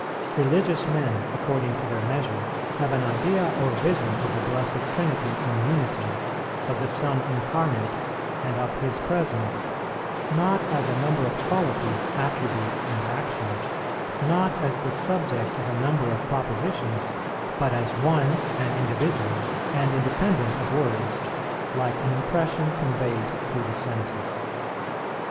. Religious men, according to their measure, have an idea or vision of the Blessed Trinity in Unity, of the Son Incarnate, and of His Presence, not as a number of qualities, attributes, and actions, not as the subject of a number of propositions, but as one and individual, and independent of words, like an impression conveyed through the senses.